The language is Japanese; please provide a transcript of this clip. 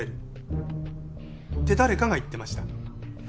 って誰かが言ってました。